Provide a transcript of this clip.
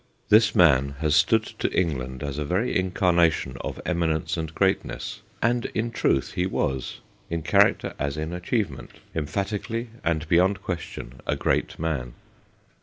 This man has stood to England as a very incarnation of eminence and greatness, and in truth he was, in character as in achieve 158 THE GHOSTS OF PICCADILLY ment, emphatically and beyond question a great man.